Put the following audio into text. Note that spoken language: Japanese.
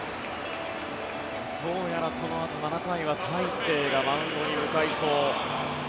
どうやら、このあと７回は大勢がマウンドに向かいそう。